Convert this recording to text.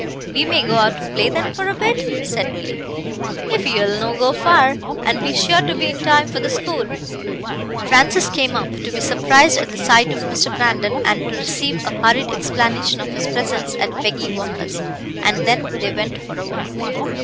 "We may go out to play then for a bit?" said Willie. "If ye'll no go far, and be sure to be in time for the school." Francis came up, to be surprised at the sight of Mr. Brandon, and to receive a hurried explanation of his presence at Peggy Walker's, and then they went for a walk.